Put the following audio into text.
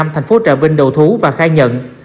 thành phố trà vinh đầu thú và khai nhận